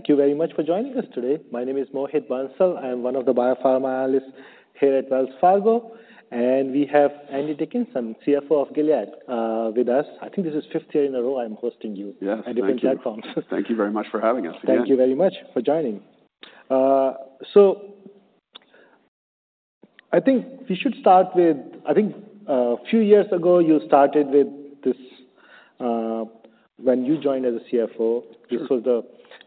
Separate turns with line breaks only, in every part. Thank you very much for joining us today. My name is Mohit Bansal. I am one of the biopharma analysts here at Wells Fargo, and we have Andy Dickinson, CFO of Gilead, with us. I think this is fifth year in a row I'm hosting you-
Yes, thank you.
on different platforms.
Thank you very much for having us again.
Thank you very much for joining. I think we should start with... I think, a few years ago, you started with this, when you joined as a CFO-
Sure.
This was the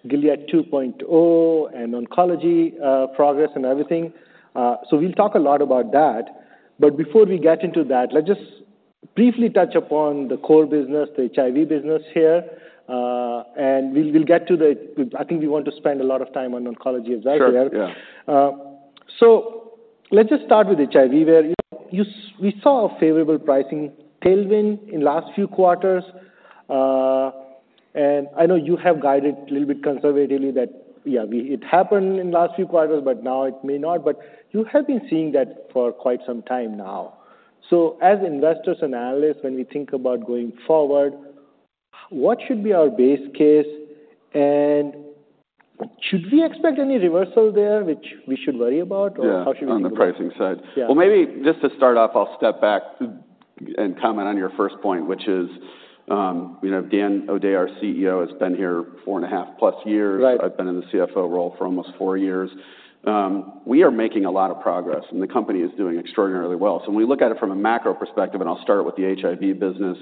Gilead 2.0 and oncology progress and everything. So we'll talk a lot about that. But before we get into that, let's just briefly touch upon the core business, the HIV business here. And we'll, we'll get to the—I think we want to spend a lot of time on oncology as well.
Sure, yeah.
So let's just start with HIV, where we saw a favorable pricing tailwind in the last few quarters. And I know you have guided a little bit conservatively that, yeah, it happened in the last few quarters, but now it may not. But you have been seeing that for quite some time now. So as investors and analysts, when we think about going forward, what should be our base case? And should we expect any reversal there, which we should worry about?
Yeah.
Or how should we-
On the pricing side?
Yeah.
Well, maybe just to start off, I'll step back and comment on your first point, which is, you know, Dan O'Day, our CEO, has been here 4.5+ years.
Right.
I've been in the CFO role for almost four years. We are making a lot of progress, and the company is doing extraordinarily well. So when we look at it from a macro perspective, and I'll start with the HIV business,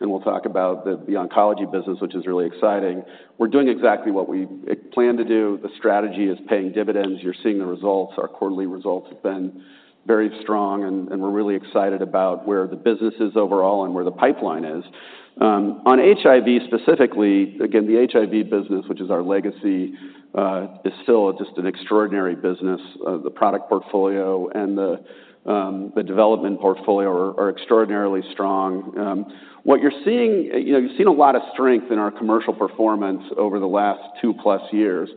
then we'll talk about the oncology business, which is really exciting. We're doing exactly what we planned to do. The strategy is paying dividends. You're seeing the results. Our quarterly results have been very strong, and we're really excited about where the business is overall and where the pipeline is. On HIV, specifically, again, the HIV business, which is our legacy, is still just an extraordinary business. The product portfolio and the development portfolio are extraordinarily strong. What you're seeing, you know, you've seen a lot of strength in our commercial performance over the last 2+ years,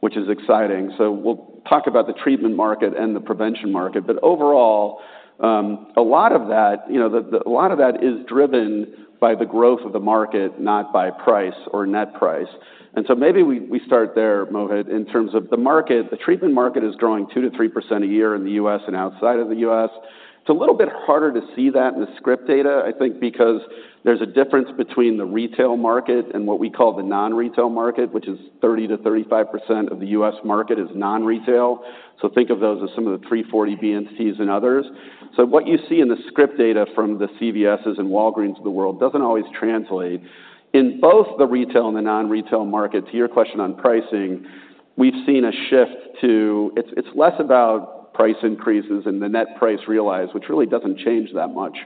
which is exciting. So we'll talk about the treatment market and the prevention market. But overall, a lot of that, you know, a lot of that is driven by the growth of the market, not by price or net price. And so maybe we start there, Mohit, in terms of the market. The treatment market is growing 2%-3% a year in the U.S. and outside of the U.S. It's a little bit harder to see that in the script data, I think, because there's a difference between the retail market and what we call the non-retail market, which is 30%-35% of the U.S. market is non-retail. So think of those as some of the 340B NDCs and others. So what you see in the script data from the CVSs and Walgreens of the world doesn't always translate. In both the retail and the non-retail markets, to your question on pricing, we've seen a shift to... It's, it's less about price increases and the net price realized, which really doesn't change that much,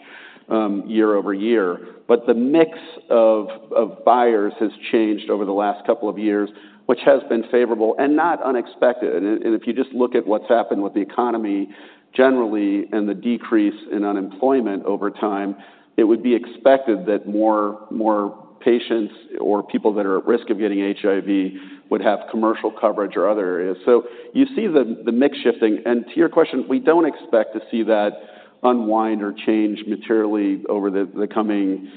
year-over-year. But the mix of, of buyers has changed over the last couple of years, which has been favorable and not unexpected. And, and if you just look at what's happened with the economy generally and the decrease in unemployment over time, it would be expected that more, more patients or people that are at risk of getting HIV would have commercial coverage or other areas. So you see the, the mix shifting. To your question, we don't expect to see that unwind or change materially over the coming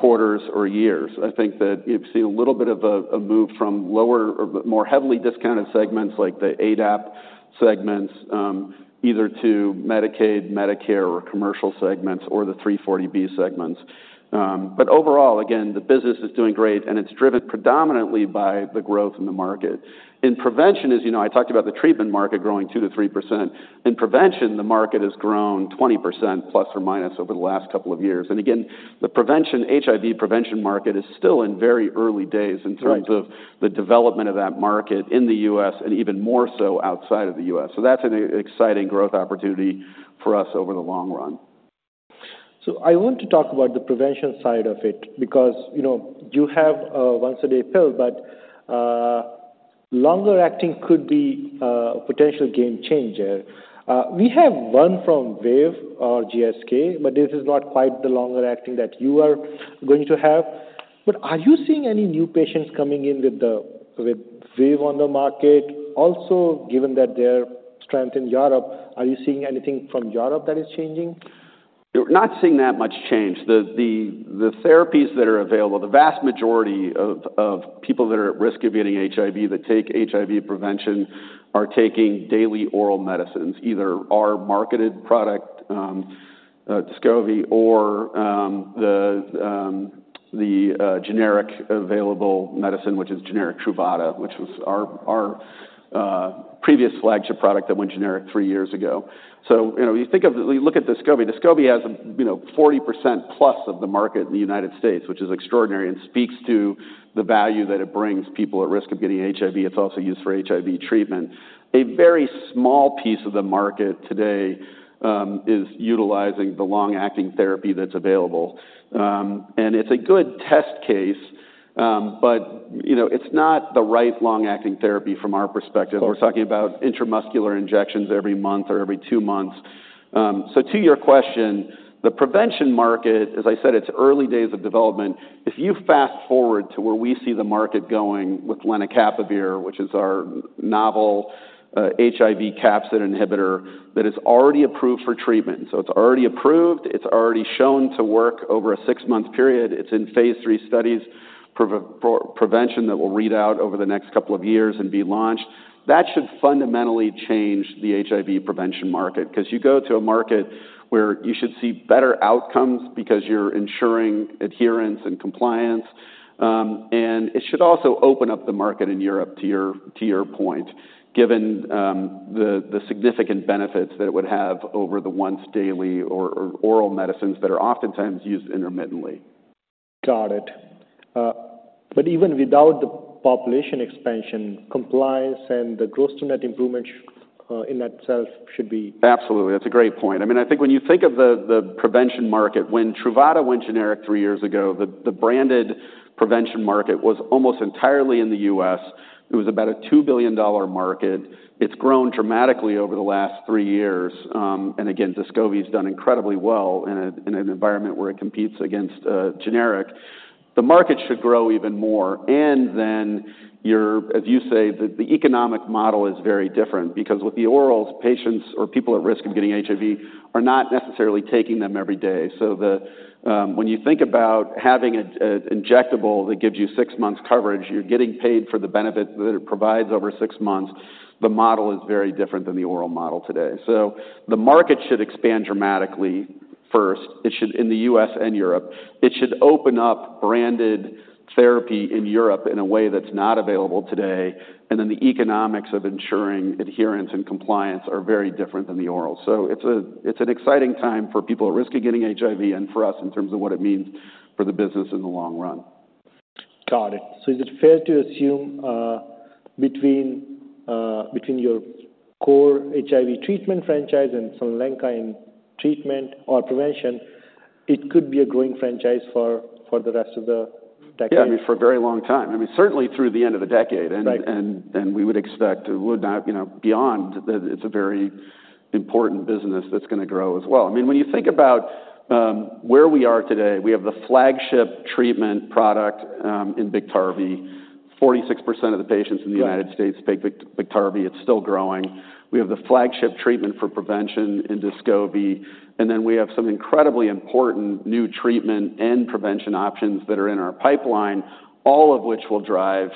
quarters or years. I think that you've seen a little bit of a move from lower or more heavily discounted segments, like the ADAP segments, either to Medicaid, Medicare, or commercial segments or the 340B segments. But overall, again, the business is doing great, and it's driven predominantly by the growth in the market. In prevention, as you know, I talked about the treatment market growing 2%-3%. In prevention, the market has grown 20% ± over the last couple of years. And again, the prevention, HIV prevention market is still in very early days.
Right
...in terms of the development of that market in the U.S. and even more so outside of the U.S. So that's an exciting growth opportunity for us over the long run.
So I want to talk about the prevention side of it because, you know, you have a once-a-day pill, but longer acting could be a potential game changer. We have one from ViiV or GSK, but this is not quite the longer acting that you are going to have. But are you seeing any new patients coming in with the—with ViiV on the market? Also, given that their strength in Europe, are you seeing anything from Europe that is changing?
We're not seeing that much change. The therapies that are available, the vast majority of people that are at risk of getting HIV, that take HIV prevention, are taking daily oral medicines, either our marketed product, Descovy, or the generic available medicine, which is generic Truvada, which was our previous flagship product that went generic three years ago. So you know, you think of... You look at Descovy. Descovy has a, you know, 40% plus of the market in the United States, which is extraordinary and speaks to the value that it brings people at risk of getting HIV. It's also used for HIV treatment. A very small piece of the market today is utilizing the long-acting therapy that's available. And it's a good test case, but, you know, it's not the right long-acting therapy from our perspective.
Okay.
We're talking about intramuscular injections every month or every two months. So to your question, the prevention market, as I said, it's early days of development. If you fast-forward to where we see the market going with lenacapavir, which is our novel HIV capsid inhibitor, that is already approved for treatment. So it's already approved, it's already shown to work over a six-month period. It's in phase three studies for prevention that will read out over the next couple of years and be launched. That should fundamentally change the HIV prevention market, 'cause you go to a market where you should see better outcomes because you're ensuring adherence and compliance. It should also open up the market in Europe, to your point, given the significant benefits that it would have over the once-daily or oral medicines that are oftentimes used intermittently.
Got it. But even without the population expansion, compliance and the gross to net improvement, in that sense should be-
Absolutely. That's a great point. I mean, I think when you think of the prevention market, when Truvada went generic three years ago, the branded prevention market was almost entirely in the U.S. It was about a $2 billion market. It's grown dramatically over the last three years. And again, Descovy's done incredibly well in an environment where it competes against generic. The market should grow even more, and then your... As you say, the economic model is very different because with the orals, patients or people at risk of getting HIV are not necessarily taking them every day. So when you think about having an injectable that gives you six months coverage, you're getting paid for the benefit that it provides over six months, the model is very different than the oral model today. So the market should expand dramatically first. It should, in the U.S. and Europe. It should open up branded therapy in Europe in a way that's not available today, and then the economics of ensuring adherence and compliance are very different than the oral. So it's a, it's an exciting time for people at risk of getting HIV and for us, in terms of what it means for the business in the long run.
Got it. So is it fair to assume between your core HIV treatment franchise and Sunlenca in treatment or prevention, it could be a growing franchise for the rest of the decade?
Yeah, I mean, for a very long time. I mean, certainly through the end of the decade.
Right.
We would expect it would not, you know, beyond that, it's a very important business that's gonna grow as well. I mean, when you think about where we are today, we have the flagship treatment product in Biktarvy. 46% of the patients in the-
Right...
United States take Biktarvy. It's still growing. We have the flagship treatment for prevention in Descovy, and then we have some incredibly important new treatment and prevention options that are in our pipeline, all of which will drive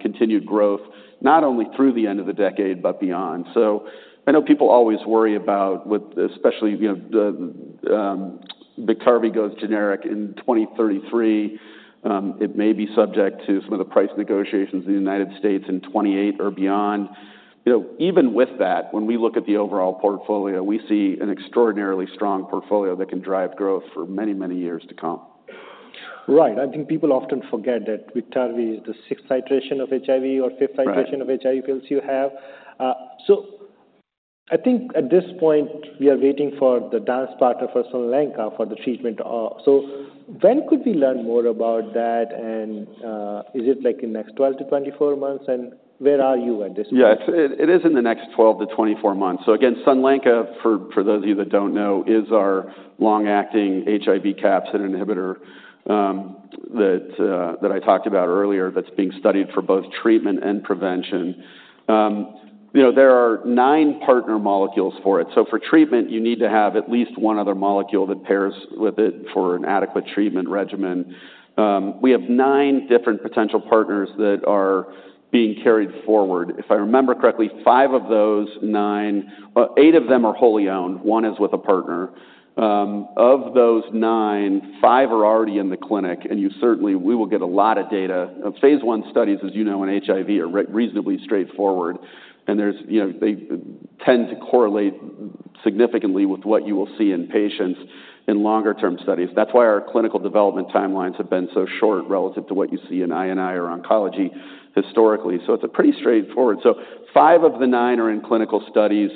continued growth, not only through the end of the decade, but beyond. So I know people always worry about, especially, you know, the Biktarvy goes generic in 2033. It may be subject to some of the price negotiations in the United States in 2028 or beyond. You know, even with that, when we look at the overall portfolio, we see an extraordinarily strong portfolio that can drive growth for many, many years to come.
Right. I think people often forget that Biktarvy is the sixth iteration of HIV or fifth-
Right
itration of HIV pills you have. So I think at this point, we are waiting for the dance partner for Sunlenca for the treatment of. So when could we learn more about that, and is it, like, in next 12-24 months? And where are you at this point?
Yeah, it is in the next 12-24 months. So again, Sunlenca, for those of you that don't know, is our long-acting HIV capsid inhibitor, that I talked about earlier, that's being studied for both treatment and prevention. You know, there are 9 partner molecules for it. So for treatment, you need to have at least one other molecule that pairs with it for an adequate treatment regimen. We have 9 different potential partners that are being carried forward. If I remember correctly, 5 of those 9. Eight of them are wholly owned, one is with a partner. Of those 9, 5 are already in the clinic, and we will get a lot of data. Phase one studies, as you know, in HIV are reasonably straightforward, and there's, you know, they tend to correlate significantly with what you will see in patients in longer term studies. That's why our clinical development timelines have been so short relative to what you see in INI or oncology historically. It's a pretty straightforward... Five of the nine are in clinical studies,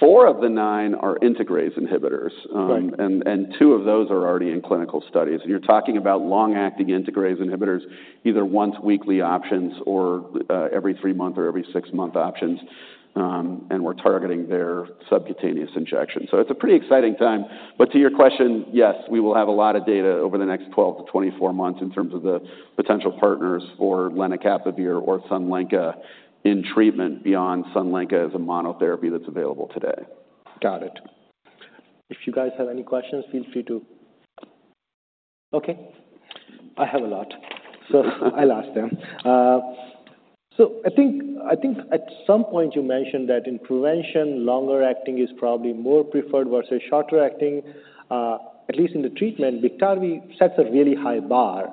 four of the nine are integrase inhibitors.
Right.
Two of those are already in clinical studies. You're talking about long-acting integrase inhibitors, either once weekly options or every 3-month or every 6-month options, and we're targeting their subcutaneous injection. So it's a pretty exciting time. But to your question, yes, we will have a lot of data over the next 12-24 months in terms of the potential partners for lenacapavir or Sunlenca in treatment beyond Sunlenca as a monotherapy that's available today.
Got it. If you guys have any questions, feel free to... Okay, I have a lot, so I'll ask them. So I think, I think at some point you mentioned that in prevention, longer acting is probably more preferred versus shorter acting. At least in the treatment, Biktarvy sets a really high bar.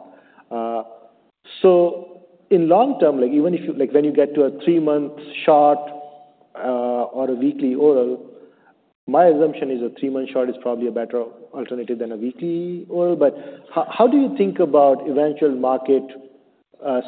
So in long term, like, even if you... Like, when you get to a three-month shot, or a weekly oral, my assumption is a three-month shot is probably a better alternative than a weekly oral. But how do you think about eventual market-...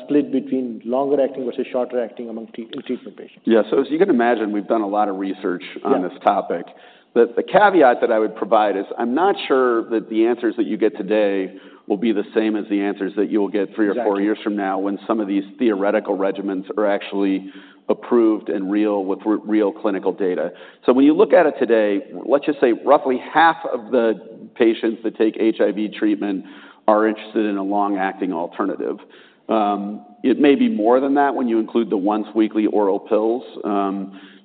split between longer acting versus shorter acting among treatment patients?
Yeah, so as you can imagine, we've done a lot of research-
Yeah
on this topic. But the caveat that I would provide is, I'm not sure that the answers that you get today will be the same as the answers that you will get three or-
Exactly
four years from now, when some of these theoretical regimens are actually approved and real, with real clinical data. So when you look at it today, let's just say roughly half of the patients that take HIV treatment are interested in a long-acting alternative. It may be more than that when you include the once weekly oral pills,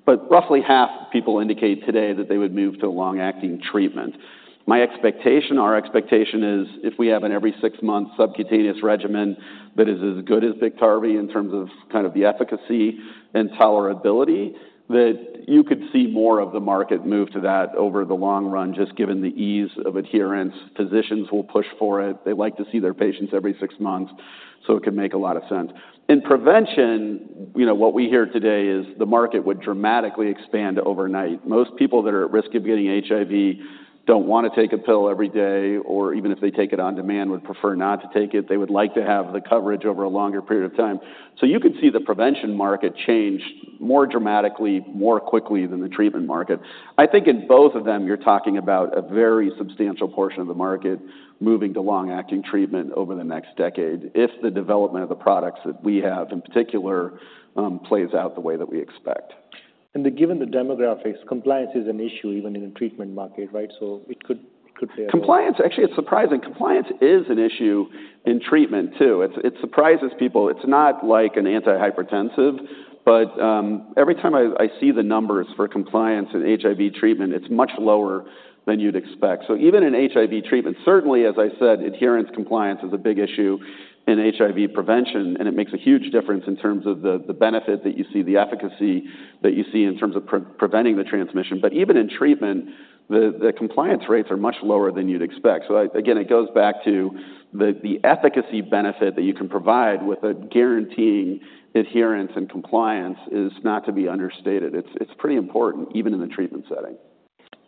but roughly half people indicate today that they would move to a long-acting treatment. My expectation, our expectation is, if we have an every six months subcutaneous regimen that is as good as Biktarvy in terms of kind of the efficacy and tolerability, that you could see more of the market move to that over the long run, just given the ease of adherence. Physicians will push for it. They like to see their patients every six months, so it can make a lot of sense. In prevention, you know, what we hear today is the market would dramatically expand overnight. Most people that are at risk of getting HIV don't want to take a pill every day, or even if they take it on demand, would prefer not to take it. They would like to have the coverage over a longer period of time. So you could see the prevention market change more dramatically, more quickly than the treatment market. I think in both of them, you're talking about a very substantial portion of the market moving to long-acting treatment over the next decade, if the development of the products that we have in particular plays out the way that we expect.
Given the demographics, compliance is an issue even in the treatment market, right? So it could, it could play a role.
Compliance... Actually, it's surprising. Compliance is an issue in treatment, too. It surprises people. It's not like an antihypertensive, but every time I see the numbers for compliance in HIV treatment, it's much lower than you'd expect. So even in HIV treatment, certainly, as I said, adherence, compliance is a big issue in HIV prevention, and it makes a huge difference in terms of the benefit that you see, the efficacy that you see in terms of preventing the transmission. But even in treatment, the compliance rates are much lower than you'd expect. So again, it goes back to the efficacy benefit that you can provide with a guaranteed adherence and compliance is not to be understated. It's pretty important, even in the treatment setting.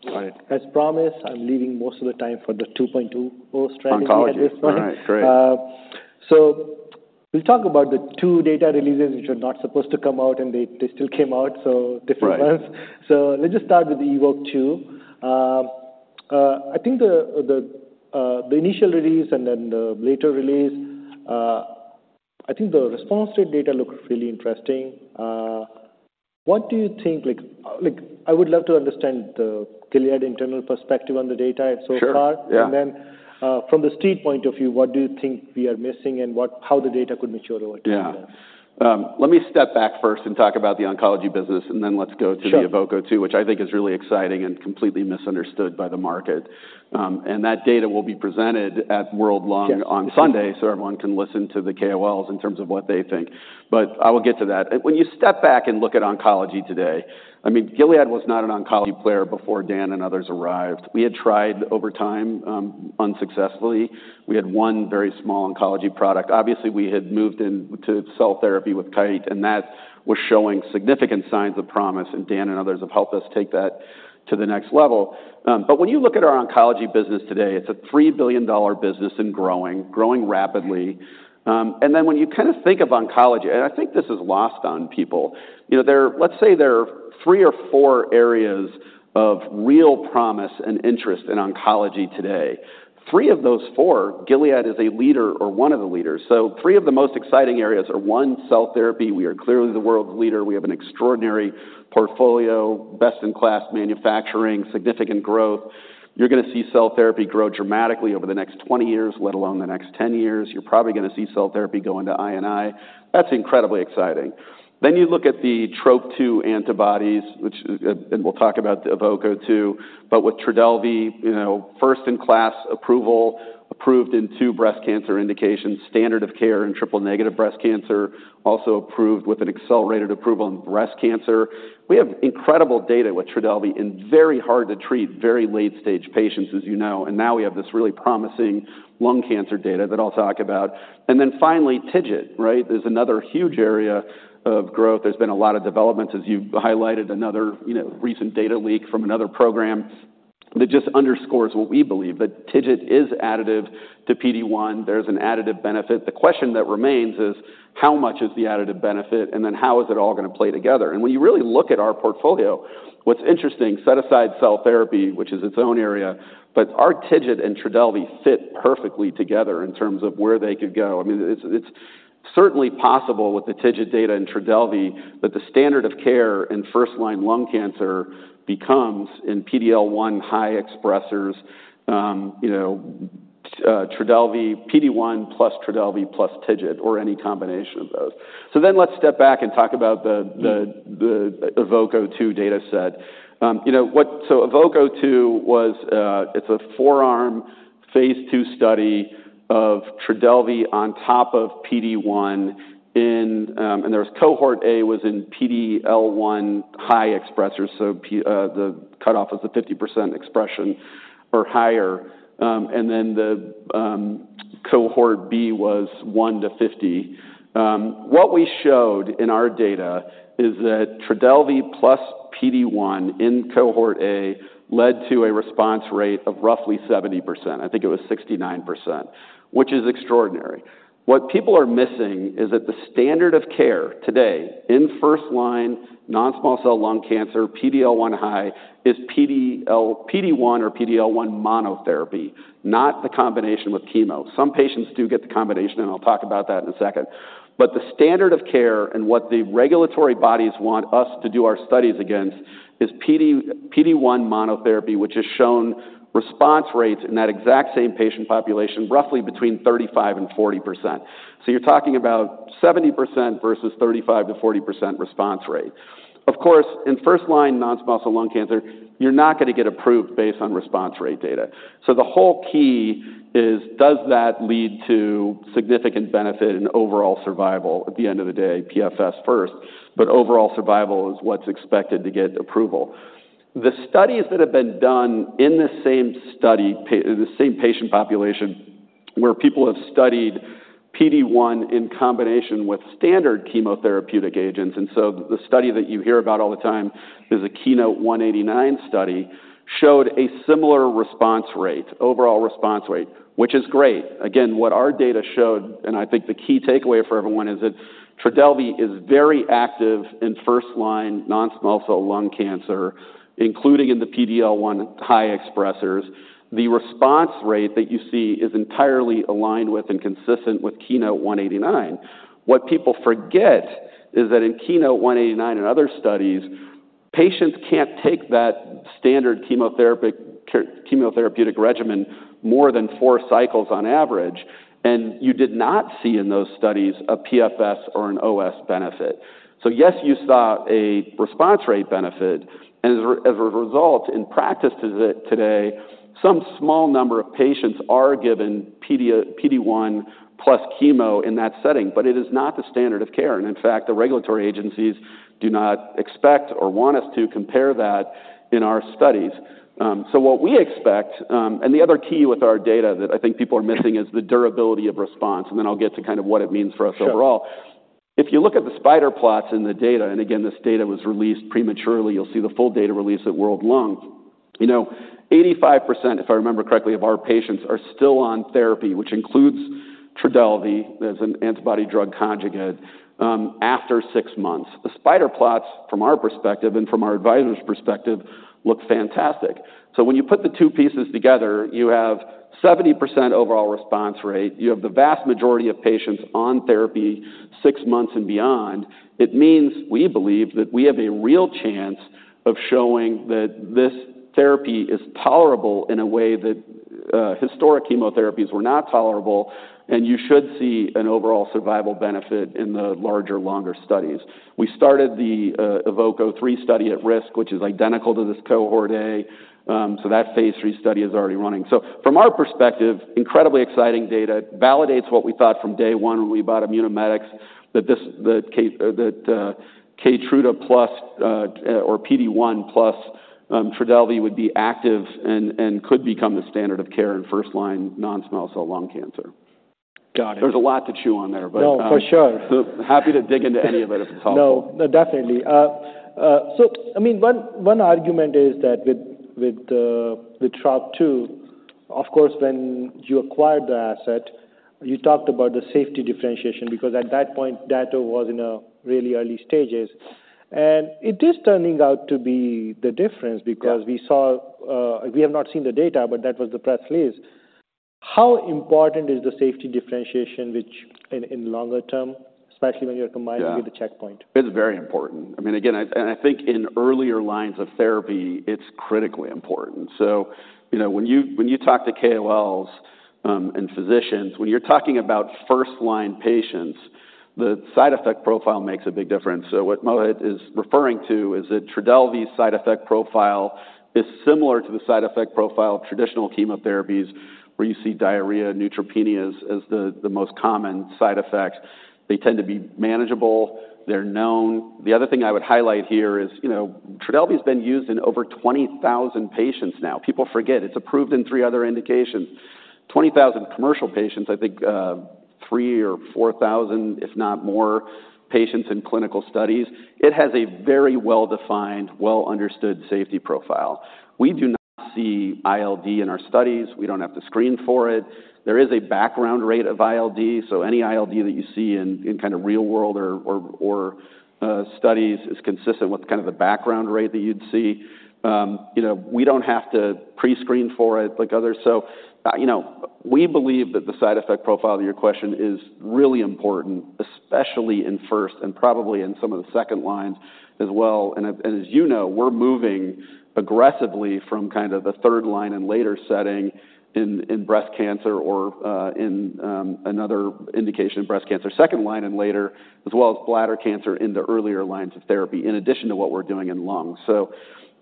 All right. As promised, I'm leaving most of the time for the 2.2 post strategy.
Oncology.
At this point.
All right, great.
So we'll talk about the 2 data releases, which are not supposed to come out, and they still came out, so different ones.
Right.
Let's just start with the EVOKE-02. I think the initial release and then the later release, I think the response to the data looks really interesting. What do you think? Like, I would love to understand the Gilead internal perspective on the data so far.
Sure, yeah.
From the street point of view, what do you think we are missing, and how the data could mature over time?
Yeah. Let me step back first and talk about the oncology business, and then let's go to-
Sure...
the EVOKE-02, which I think is really exciting and completely misunderstood by the market. And that data will be presented at World Lung-
Yes
-on Sunday, so everyone can listen to the KOLs in terms of what they think. But I will get to that. When you step back and look at oncology today, I mean, Gilead was not an oncology player before Dan and others arrived. We had tried over time, unsuccessfully. We had one very small oncology product. Obviously, we had moved into cell therapy with Kite, and that was showing significant signs of promise, and Dan and others have helped us take that to the next level. But when you look at our oncology business today, it's a $3 billion business and growing, growing rapidly. And then when you kind of think of oncology, and I think this is lost on people, you know, there are... Let's say there are three or four areas of real promise and interest in oncology today. Three of those four, Gilead is a leader or one of the leaders. So three of the most exciting areas are, one, cell therapy. We are clearly the world's leader. We have an extraordinary portfolio, best-in-class manufacturing, significant growth. You're gonna see cell therapy grow dramatically over the next 20 years, let alone the next 10 years. You're probably gonna see cell therapy go into INI. That's incredibly exciting. Then you look at the Trop-2 antibodies, which, and we'll talk about the EVOKE-02, but with Trodelvy, you know, first-in-class approval, approved in two breast cancer indications, standard of care in triple-negative breast cancer, also approved with an accelerated approval on breast cancer. We have incredible data with Trodelvy in very hard to treat, very late stage patients, as you know, and now we have this really promising lung cancer data that I'll talk about. And then finally, TIGIT, right? There's been a lot of developments, as you highlighted, another, you know, recent data leak from another program that just underscores what we believe, that TIGIT is additive to PD-1. There's an additive benefit. The question that remains is: How much is the additive benefit? And then, how is it all gonna play together? And when you really look at our portfolio, what's interesting, set aside cell therapy, which is its own area, but our TIGIT and Trodelvy fit perfectly together in terms of where they could go. I mean, it's, it's certainly possible with the TIGIT data and Trodelvy that the standard of care in first-line lung cancer becomes in PD-L1 high expressors, Trodelvy, PD-1 plus Trodelvy plus TIGIT, or any combination of those. So then let's step back and talk about the EVOKE-02 data set. You know what? So EVOKE-02 was. It's a phase 2 study of Trodelvy on top of PD-1 in. And there was cohort A was in PD-L1 high expressor, so PD-L1, the cutoff was a 50% expression or higher. And then cohort B was 1-50. What we showed in our data is that Trodelvy plus PD-1 in cohort A led to a response rate of roughly 70%, I think it was 69%, which is extraordinary. What people are missing is that the standard of care today in first-line non-small cell lung cancer, PD-L1 high, is PD-1 or PD-L1 monotherapy, not the combination with chemo. Some patients do get the combination, and I'll talk about that in a second. But the standard of care and what the regulatory bodies want us to do our studies against is PD-1 monotherapy, which has shown response rates in that exact same patient population, roughly between 35% and 40%. So you're talking about 70% versus 35%-40% response rate. Of course, in first line non-small cell lung cancer, you're not going to get approved based on response rate data. So the whole key is, does that lead to significant benefit in overall survival at the end of the day? PFS first, but overall survival is what's expected to get approval. The studies that have been done in the same study—the same patient population, where people have studied PD-1 in combination with standard chemotherapeutic agents, and so the study that you hear about all the time is a KEYNOTE-189 study, showed a similar response rate, overall response rate, which is great. Again, what our data showed, and I think the key takeaway for everyone, is that Trodelvy is very active in first-line non-small cell lung cancer, including in the PD-L1 high expressers. The response rate that you see is entirely aligned with and consistent with KEYNOTE-189. What people forget is that in KEYNOTE-189 and other studies, patients can't take that standard chemotherapeutic regimen more than four cycles on average, and you did not see in those studies a PFS or an OS benefit. So yes, you saw a response rate benefit, and as a result, in practices that today some small number of patients are given PD-1 plus chemo in that setting, but it is not the standard of care. And in fact, the regulatory agencies do not expect or want us to compare that in our studies. So what we expect... And the other key with our data that I think people are missing is the durability of response, and then I'll get to kind of what it means for us overall.
Sure.
If you look at the spider plots in the data, and again, this data was released prematurely, you'll see the full data release at World Lung. You know, 85%, if I remember correctly, of our patients are still on therapy, which includes Trodelvy, as an antibody drug conjugate, after six months. The spider plots, from our perspective and from our advisor's perspective, look fantastic. So when you put the two pieces together, you have 70% overall response rate. You have the vast majority of patients on therapy six months and beyond. It means we believe that we have a real chance of showing that this therapy is tolerable in a way that historic chemotherapies were not tolerable, and you should see an overall survival benefit in the larger, longer studies. We started the EVOKE-03 study at risk, which is identical to this cohort A, so that phase 3 study is already running. So from our perspective, incredibly exciting data validates what we thought from day one when we bought Immunomedics, that Keytruda plus or PD-1 plus Trodelvy would be active and could become the standard of care in first-line non-small cell lung cancer.
Got it.
There's a lot to chew on there, but-
No, for sure.
So happy to dig into any of it if it's helpful.
No, definitely. So, I mean, one, one argument is that with, with the, with Trial two, of course, when you acquired the asset, you talked about the safety differentiation, because at that point, data was in a really early stages. And it is turning out to be the difference-
Yeah...
because we saw, we have not seen the data, but that was the press release. How important is the safety differentiation, which in longer term, especially when you're combining-
Yeah...
with the checkpoint?
It's very important. I mean, again, and I think in earlier lines of therapy, it's critically important. So you know, when you talk to KOLs, and physicians, when you're talking about first-line patients, the side effect profile makes a big difference. So what Mohit is referring to is that Trodelvy's side effect profile is similar to the side effect profile of traditional chemotherapies, where you see diarrhea, neutropenia as the most common side effects. They tend to be manageable. They're known. The other thing I would highlight here is, you know, Trodelvy's been used in over 20,000 patients now. People forget, it's approved in three other indications. 20,000 commercial patients, I think, 3,000 or 4,000, if not more, patients in clinical studies. It has a very well-defined, well-understood safety profile. We do not see ILD in our studies. We don't have to screen for it. There is a background rate of ILD, so any ILD that you see in kind of real world or studies is consistent with kind of the background rate that you'd see. You know, we don't have to pre-screen for it like others. So, you know, we believe that the side effect profile of your question is really important, especially in first and probably in some of the second lines as well. And as you know, we're moving aggressively from kind of the third line and later setting in breast cancer or in another indication of breast cancer, second line and later, as well as bladder cancer in the earlier lines of therapy, in addition to what we're doing in lung. So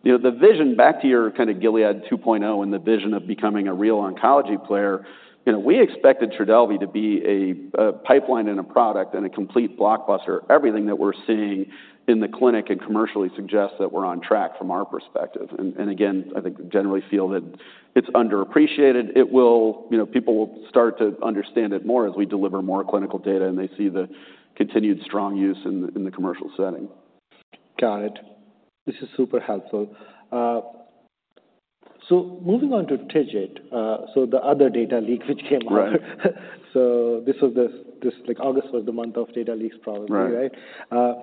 you know, the vision, back to your kind of Gilead 2.0 and the vision of becoming a real oncology player, you know, we expected Trodelvy to be a pipeline and a product and a complete blockbuster. Everything that we're seeing in the clinic and commercially suggests that we're on track from our perspective. And again, I think we generally feel that it's underappreciated. It will... You know, people will start to understand it more as we deliver more clinical data, and they see the continued strong use in the, in the commercial setting.
Got it. This is super helpful. So moving on to TIGIT, so the other data leak which came out.
Right.
So this, like, August was the month of data leaks, probably, right?
Right.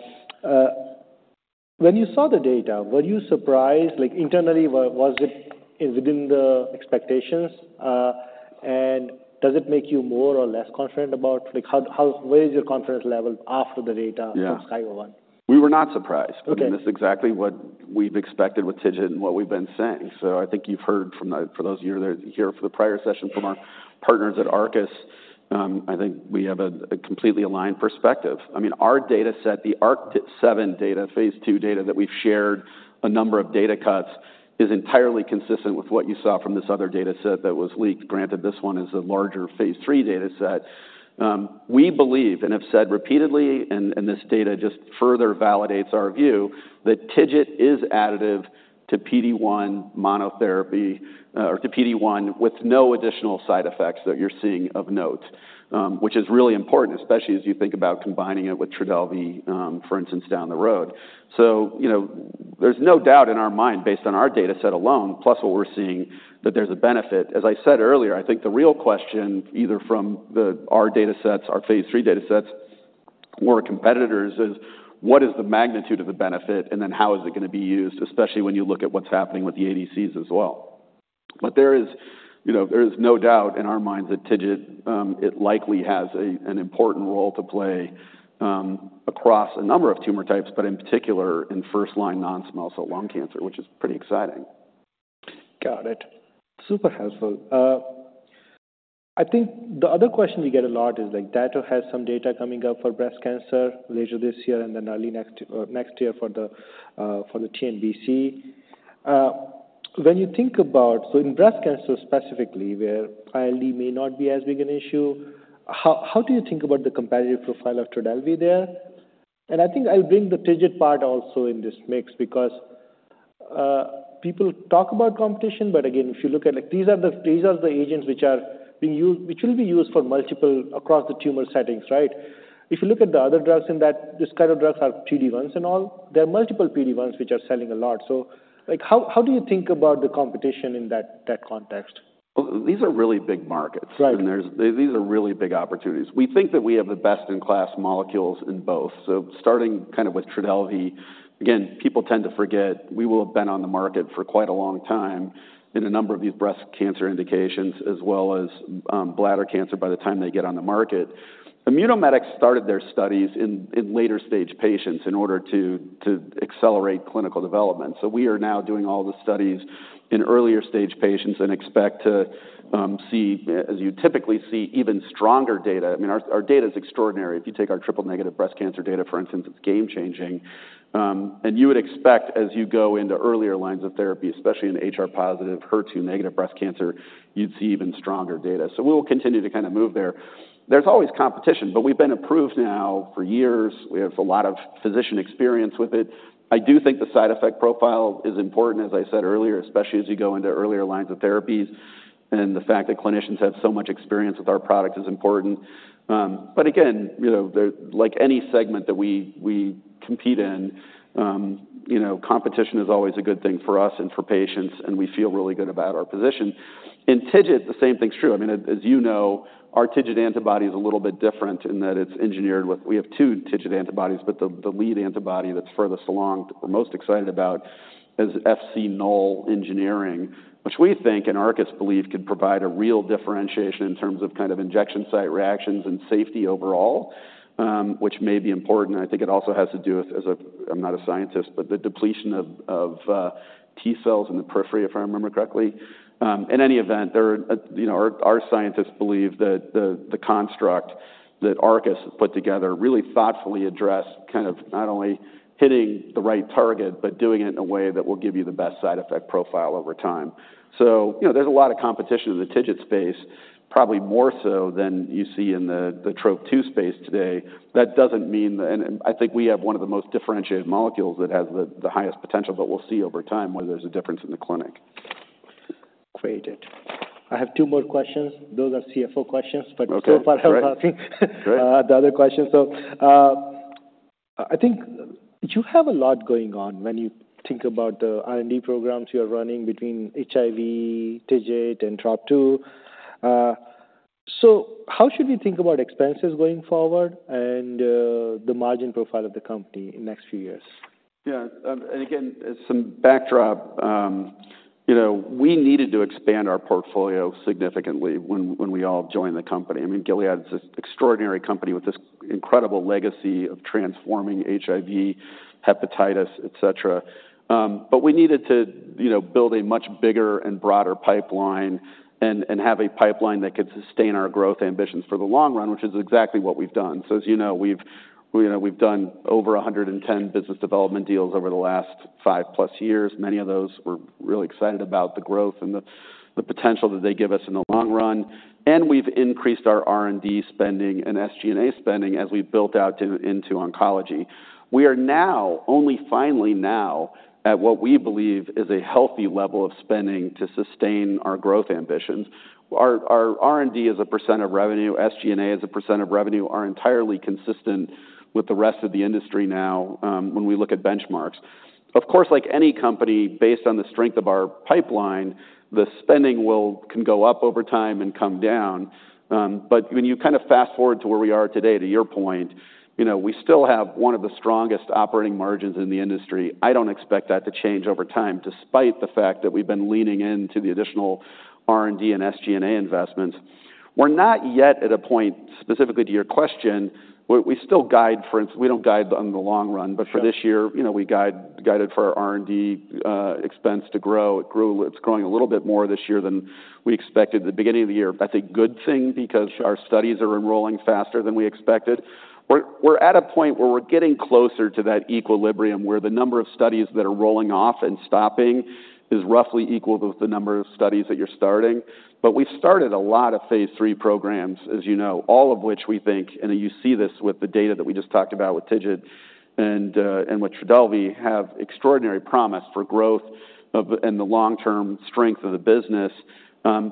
When you saw the data, were you surprised? Like, internally, was it within the expectations? And does it make you more or less confident about-- Like, how... Where is your confidence level after the data-
Yeah.
from Sky One?
We were not surprised.
Okay.
I mean, that's exactly what we've expected with TIGIT and what we've been saying. So I think you've heard from the, for those of you that are here for the prior session, from our partners at Arcus. I think we have a completely aligned perspective. I mean, our data set, the ARC-7 data, Phase 2 data, that we've shared a number of data cuts, is entirely consistent with what you saw from this other data set that was leaked. Granted, this one is a larger Phase 3 data set. We believe, and have said repeatedly, and this data just further validates our view, that TIGIT is additive to PD-1 monotherapy, or to PD-1, with no additional side effects that you're seeing of note. Which is really important, especially as you think about combining it with Trodelvy, for instance, down the road. So, you know, there's no doubt in our mind, based on our data set alone, plus what we're seeing, that there's a benefit. As I said earlier, I think the real question, either from the, our data sets, our phase 3 data sets or competitors, is: What is the magnitude of the benefit, and then how is it going to be used, especially when you look at what's happening with the ADCs as well? But there is, you know, there is no doubt in our minds that TIGIT, it likely has a, an important role to play, across a number of tumor types, but in particular, in first-line non-small cell lung cancer, which is pretty exciting.
Got it. Super helpful. I think the other question we get a lot is, like, Dato has some data coming up for breast cancer later this year, and then early next, next year for the TNBC. When you think about... So in breast cancer specifically, where primary may not be as big an issue, how do you think about the competitive profile of Trodelvy there? And I think I'll bring the TIGIT part also in this mix, because people talk about competition, but again, if you look at it, these are the, these are the agents which are being used- which will be used for multiple across the tumor settings, right? If you look at the other drugs in that, this kind of drugs are PD-1s and all. There are multiple PD-1s which are selling a lot. So, like, how do you think about the competition in that context?
Well, these are really big markets.
Right.
These are really big opportunities. We think that we have the best-in-class molecules in both. So starting kind of with Trodelvy, again, people tend to forget we will have been on the market for quite a long time in a number of these breast cancer indications, as well as bladder cancer, by the time they get on the market. Immunomedics started their studies in later-stage patients in order to accelerate clinical development. So we are now doing all the studies in earlier-stage patients and expect to see, as you typically see, even stronger data. I mean, our data is extraordinary. If you take our triple-negative breast cancer data, for instance, it's game-changing. You would expect, as you go into earlier lines of therapy, especially in HR-positive, HER2-negative breast cancer, you'd see even stronger data. So we'll continue to kind of move there. There's always competition, but we've been approved now for years. We have a lot of physician experience with it. I do think the side effect profile is important, as I said earlier, especially as you go into earlier lines of therapies, and the fact that clinicians have so much experience with our product is important. But again, you know, like any segment that we compete in, you know, competition is always a good thing for us and for patients, and we feel really good about our position. In TIGIT, the same thing's true. I mean, as you know, our TIGIT antibody is a little bit different in that it's engineered with... We have two TIGIT antibodies, but the lead antibody that's furthest along, we're most excited about, is Fc null engineering, which we think, and Arcus believe, could provide a real differentiation in terms of kind of injection site reactions and safety overall, which may be important. I think it also has to do with. I'm not a scientist, but the depletion of T cells in the periphery, if I remember correctly. In any event, you know, our scientists believe that the construct that Arcus has put together really thoughtfully address kind of not only hitting the right target, but doing it in a way that will give you the best side effect profile over time. So you know, there's a lot of competition in the TIGIT space, probably more so than you see in the Trop-2 space today. That doesn't mean... And I think we have one of the most differentiated molecules that has the highest potential, but we'll see over time whether there's a difference in the clinic.
Great. I have two more questions. Those are CFO questions-
Okay.
but so far, I think.
Great.
The other question. So, I think you have a lot going on when you think about the R&D programs you're running between HIV, TIGIT, and Trop-2. So how should we think about expenses going forward and the margin profile of the company in next few years?
Yeah, and again, as some backdrop, you know, we needed to expand our portfolio significantly when we all joined the company. I mean, Gilead's this extraordinary company with this incredible legacy of transforming HIV, hepatitis, et cetera. But we needed to, you know, build a much bigger and broader pipeline and have a pipeline that could sustain our growth ambitions for the long run, which is exactly what we've done. So as you know, you know, we've done over 110 business development deals over the last 5+ years. Many of those, we're really excited about the growth and the potential that they give us in the long run, and we've increased our R&D spending and SG&A spending as we've built out into oncology. We are now, only finally now, at what we believe is a healthy level of spending to sustain our growth ambitions. Our R&D as a % of revenue, SG&A as a % of revenue, are entirely consistent with the rest of the industry now, when we look at benchmarks... Of course, like any company, based on the strength of our pipeline, the spending will can go up over time and come down. But when you kind of fast-forward to where we are today, to your point, you know, we still have one of the strongest operating margins in the industry. I don't expect that to change over time, despite the fact that we've been leaning into the additional R&D and SG&A investments. We're not yet at a point, specifically to your question, we still guide for instance... We don't guide on the long run, but for this year, you know, we guided for our R&D expense to grow. It's growing a little bit more this year than we expected at the beginning of the year. That's a good thing because our studies are enrolling faster than we expected. We're at a point where we're getting closer to that equilibrium, where the number of studies that are rolling off and stopping is roughly equal to the number of studies that you're starting. But we've started a lot of phase three programs, as you know, all of which we think, and you see this with the data that we just talked about with TIGIT and with Trodelvy, have extraordinary promise for growth of and the long-term strength of the business.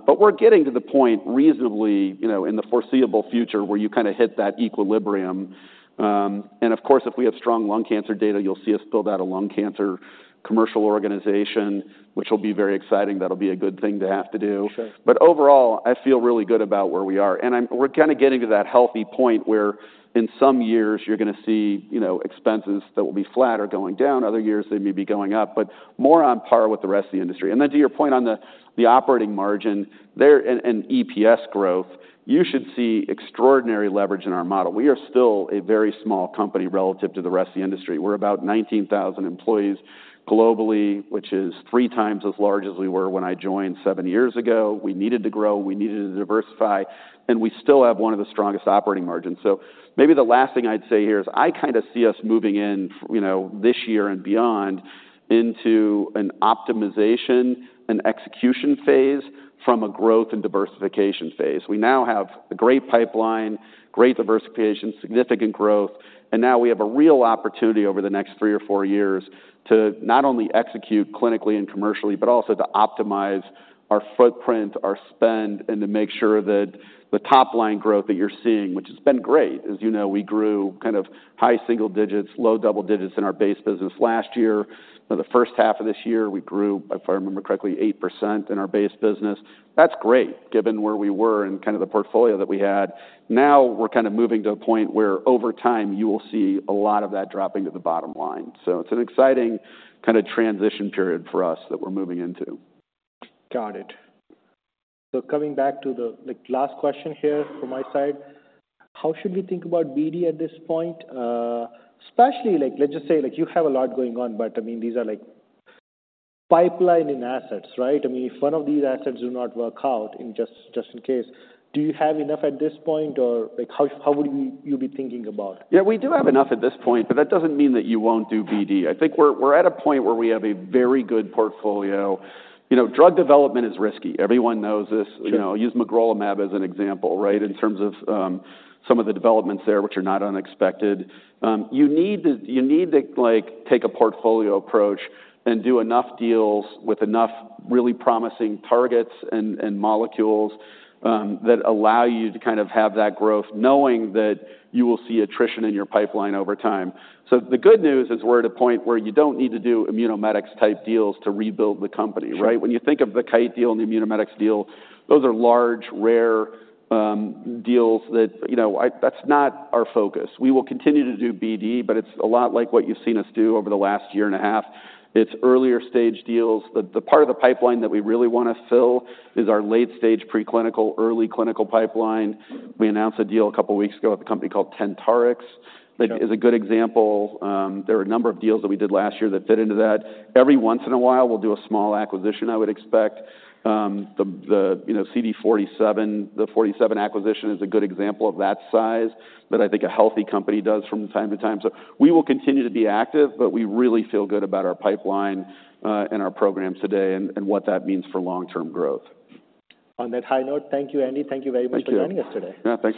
But we're getting to the point reasonably, you know, in the foreseeable future, where you kinda hit that equilibrium. And of course, if we have strong lung cancer data, you'll see us build out a lung cancer commercial organization, which will be very exciting. That'll be a good thing to have to do.
Sure.
But overall, I feel really good about where we are, and we're kinda getting to that healthy point where in some years you're gonna see, you know, expenses that will be flat or going down, other years they may be going up, but more on par with the rest of the industry. And then to your point on the operating margin, and EPS growth, you should see extraordinary leverage in our model. We are still a very small company relative to the rest of the industry. We're about 19,000 employees globally, which is three times as large as we were when I joined seven years ago. We needed to grow, we needed to diversify, and we still have one of the strongest operating margins. So maybe the last thing I'd say here is I kinda see us moving in, you know, this year and beyond, into an optimization and execution phase from a growth and diversification phase. We now have a great pipeline, great diversification, significant growth, and now we have a real opportunity over the next three or four years to not only execute clinically and commercially, but also to optimize our footprint, our spend, and to make sure that the top line growth that you're seeing, which has been great... As you know, we grew kind of high single digits, low double digits in our base business last year. For the first half of this year, we grew, if I remember correctly, 8% in our base business. That's great, given where we were and kind of the portfolio that we had. Now we're kind of moving to a point where over time, you will see a lot of that dropping to the bottom line. So it's an exciting kinda transition period for us that we're moving into.
Got it. So coming back to the, the last question here from my side: How should we think about BD at this point? Especially, like, let's just say, like, you have a lot going on, but, I mean, these are, like, pipeline and assets, right? I mean, if one of these assets do not work out, in just, just in case, do you have enough at this point? Or, like, how, how would you, you be thinking about?
Yeah, we do have enough at this point, but that doesn't mean that you won't do BD. I think we're at a point where we have a very good portfolio. You know, drug development is risky. Everyone knows this.
Sure.
You know, use magrolimab as an example, right? In terms of, some of the developments there, which are not unexpected. You need to, you need to, like, take a portfolio approach and do enough deals with enough really promising targets and, and molecules, that allow you to kind of have that growth, knowing that you will see attrition in your pipeline over time. So the good news is we're at a point where you don't need to do Immunomedics-type deals to rebuild the company, right?
Sure.
When you think of the Kite deal and the Immunomedics deal, those are large, rare, deals that... You know, that's not our focus. We will continue to do BD, but it's a lot like what you've seen us do over the last year and a half. It's earlier-stage deals. The part of the pipeline that we really wanna fill is our late-stage, preclinical, early clinical pipeline. We announced a deal a couple of weeks ago with a company called Tentarix-
Yeah
That is a good example. There are a number of deals that we did last year that fit into that. Every once in a while, we'll do a small acquisition, I would expect. The, you know, CD47, the Forty Seven acquisition is a good example of that size, that I think a healthy company does from time to time. So we will continue to be active, but we really feel good about our pipeline, and our programs today and what that means for long-term growth.
On that high note, thank you, Andy. Thank you very much-
Thank you.
for joining us today.
Yeah, thanks.